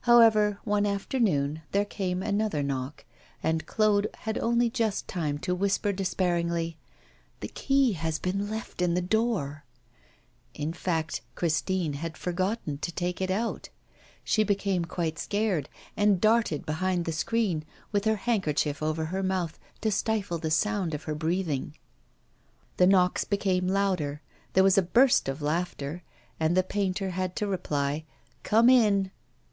However, one afternoon there came another knock, and Claude had only just time to whisper despairingly, 'The key has been left in the door.' In fact, Christine had forgotten to take it out. She became quite scared and darted behind the screen, with her handkerchief over her mouth to stifle the sound of her breathing. The knocks became louder, there was a burst of laughter, and the painter had to reply, 'Come in.